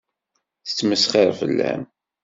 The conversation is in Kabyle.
Tettmesxiṛ fell-am.